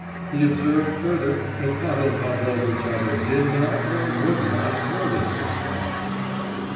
He observed, further, that Pavel Pavlovitch either did not, or would not, notice this fact.